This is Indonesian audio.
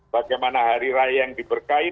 bagaimana hari raya yang diberkahi